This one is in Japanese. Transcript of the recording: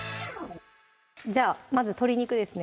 じゃあまず鶏肉ですね